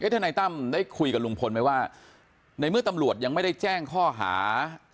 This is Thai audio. ทนายตั้มได้คุยกับลุงพลไหมว่าในเมื่อตำรวจยังไม่ได้แจ้งข้อหา